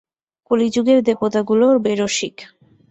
কলিযুগে দেবতাগুলো বেরসিক।